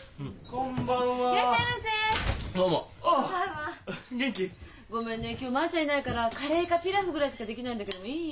今日まあちゃんいないからカレーかピラフぐらいしかできないんだけどいい？